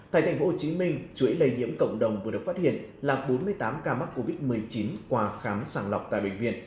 tại tp hcm chuỗi lây nhiễm cộng đồng vừa được phát hiện là bốn mươi tám ca mắc covid một mươi chín qua khám sàng lọc tại bệnh viện